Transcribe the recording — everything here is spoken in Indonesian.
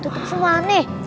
tuker semua aneh